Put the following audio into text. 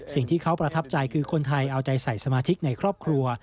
สิ่งที่เขาประทับใจคือคนไทยเอาใจใส่สมาชิกในครอบครัว